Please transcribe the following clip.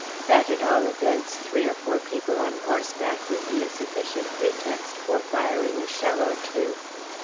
That, at all events, three or four people on horseback would be a sufficient pretext for firing a shell or two.